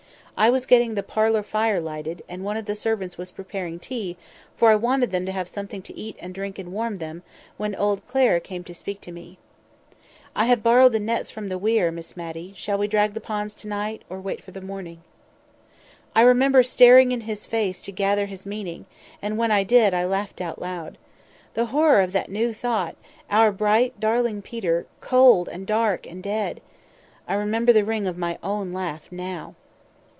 I was getting the parlour fire lighted, and one of the servants was preparing tea, for I wanted them to have something to eat and drink and warm them, when old Clare asked to speak to me. "'I have borrowed the nets from the weir, Miss Matty. Shall we drag the ponds to night, or wait for the morning?' "I remember staring in his face to gather his meaning; and when I did, I laughed out loud. The horror of that new thought—our bright, darling Peter, cold, and stark, and dead! I remember the ring of my own laugh now.